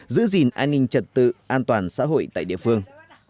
giữ gìn an ninh trật tự an toàn xã hội tại địa phương